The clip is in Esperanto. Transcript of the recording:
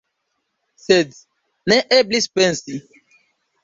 Sed ne eblis pensi.